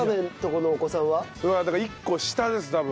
だから１個下です多分。